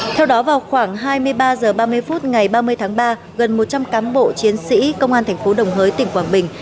theo đó vào khoảng hai mươi ba h ba mươi phút ngày ba mươi tháng ba gần một trăm linh cám bộ chiến sĩ công an thành phố đồng hới tỉnh quảng bình